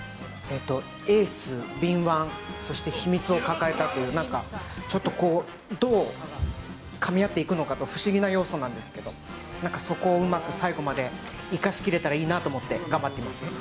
エース、敏腕そして秘密を抱えたというちょっとどうかみ合っていくのか不思議な要素なんですけどそこをうまく最後まで生かし切れたらいいなと思って頑張っています。